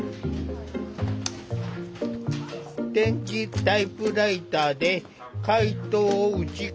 点字タイプライターで解答を打ち込んでいた。